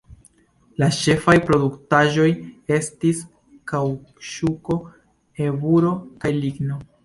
La ĉefaj produktaĵoj estis kaŭĉuko, eburo kaj ligno.